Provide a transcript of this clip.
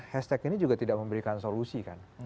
hashtag ini juga tidak memberikan solusi kan